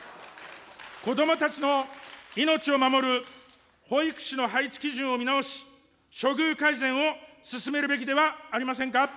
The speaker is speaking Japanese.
子どもたちの命を守る保育士の配置基準を見直し、処遇改善を進めるべきではありませんか。